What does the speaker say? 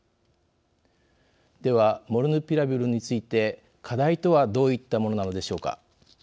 では、モルヌピラビルについて課題とはどういったものなのでしょうか。